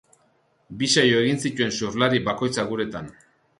Bi saio egin zituen surflari bakoitzak uretan.